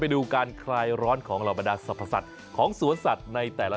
ไม่ยอมออกมาโชว์ตัวให้นักทุ่งเที่ยวได้เห็น